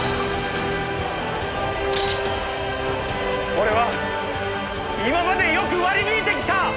俺は今までよく割り引いてきた！